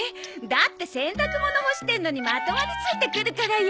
だって洗濯物干してるのにまとわりついてくるからよ。